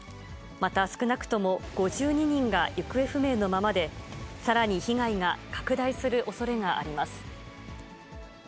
また少なくとも５２人が行方不明のままで、さらに被害が拡大するおそれがあります。